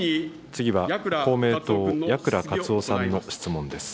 次は公明党、矢倉克夫さんの質問です。